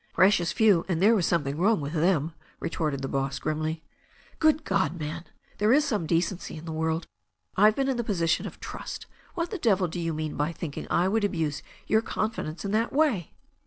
"Precious few. And there was something wrong with them," retorted the boss grimly "Good God, man! There is some decency in the world. IVe been in a position of trust. What the devil do you mean by thinking I would abuse your confidence in that way?"